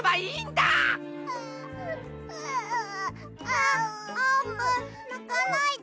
あっあーぷんなかないで。